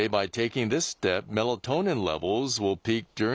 はい。